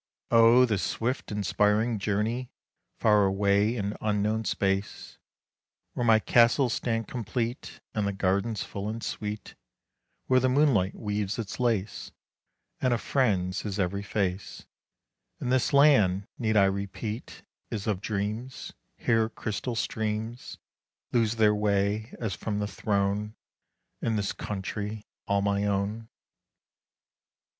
Oh! the swift, inspiring journey, Far away in unknown space! Where my castles stand complete, And the gardens full and sweet; Where the moonlight weaves its lace, And a friend's is every face, And this land, need I repeat, Is of dreams? Here crystal streams Lose their way, as from the throne, In this country all my own.